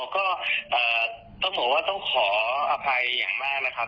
อ๋อก็ต้องขออภัยอย่างมากนะครับ